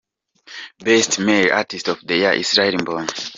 Best Male artist of the year: Israel Mbonyi.